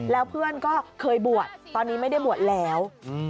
แล้วเพื่อนก็เคยบวชตอนนี้ไม่ได้บวชแล้ว